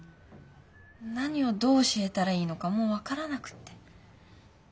何をどう教えたらいいのかもう分からなくって。